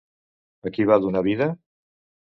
A qui va donar vida?